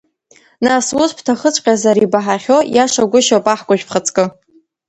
Нас, ус бҭахыҵәҟьазар, ибаҳахьоу иашагәышьоуп, аҳкәажә, бхаҵкы!